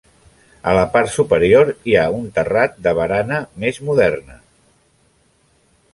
A la part superior hi ha un terrat, de barana més moderna.